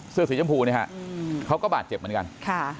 เสื้อสีชมพูเนี่ยฮะเขาก็บาดเจ็บเหมือนกันค่ะ